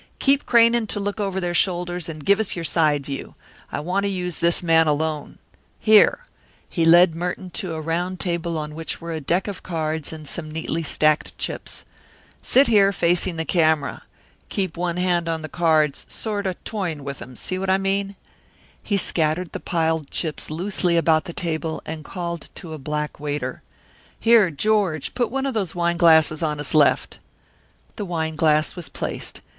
Keep craning to look over their shoulders, and give us your side view. I want to use this man alone. Here." He led Merton to a round table on which were a deck of cards and some neatly stacked chips. "Sit here, facing the camera. Keep one hand on the cards, sort of toying with 'em, see what I mean?" He scattered the piled chips loosely about the table, and called to a black waiter: "Here, George, put one of those wine glasses on his left." The wine glass was placed.